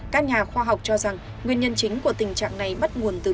các nhà khoa học cho rằng nguyên nhân chính của tình trạng này bắt nguồn từ